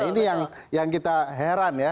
ini yang kita heran ya